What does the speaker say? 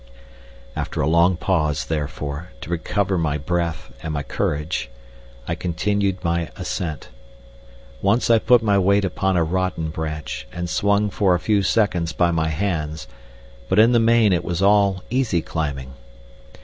After a long pause, therefore, to recover my breath and my courage, I continued my ascent. Once I put my weight upon a rotten branch and swung for a few seconds by my hands, but in the main it was all easy climbing.